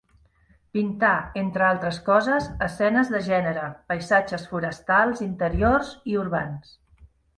Pintà entre altres coses, escenes de gènere, paisatges forestals, interiors i urbans.